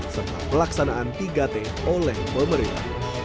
serta pelaksanaan tiga t oleh pemerintah